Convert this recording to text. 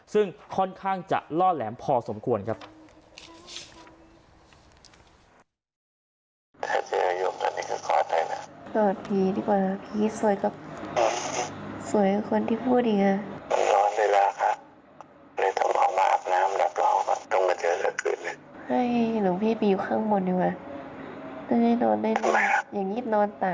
ซึ่งค่อนข้างจะล่อแหลมพอสมควรครับ